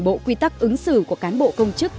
bộ quy tắc ứng xử của cán bộ công chức